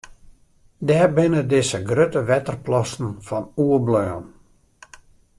Dêr binne dizze grutte wetterplassen fan oerbleaun.